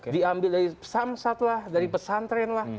diambil dari samsat lah dari pesantren lah